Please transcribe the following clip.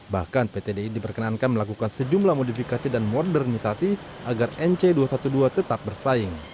bahkan pt di diperkenankan melakukan sejumlah modifikasi dan modernisasi agar nc dua ratus dua belas tetap bersaing